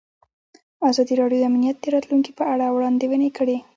ازادي راډیو د امنیت د راتلونکې په اړه وړاندوینې کړې.